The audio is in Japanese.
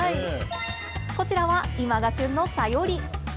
こちらは今が旬のサヨリ。